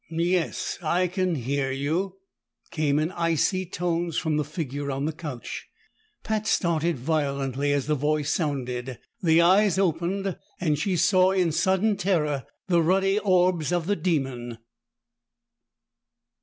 "Yes, I can hear you," came in icy tones from the figure on the couch. Pat started violently as the voice sounded. The eyes opened, and she saw in sudden terror the ruddy orbs of the demon!